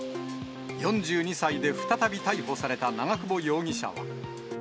４２歳で再び逮捕された長久保容疑者は。